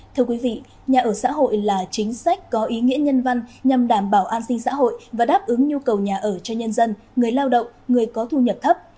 thưa quý vị nhà ở xã hội là chính sách có ý nghĩa nhân văn nhằm đảm bảo an sinh xã hội và đáp ứng nhu cầu nhà ở cho nhân dân người lao động người có thu nhập thấp